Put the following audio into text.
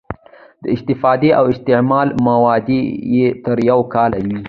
د استفادې او استعمال موده یې تر یو کال وي.